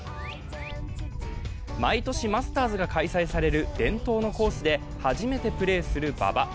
毎年、マスターズが開催される伝統のコースで初めてプレーする馬場。